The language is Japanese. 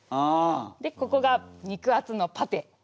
でここが肉厚のパテ。